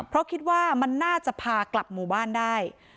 เพราะคิดว่ามันน่าจะพากลับหมู่บ้านได้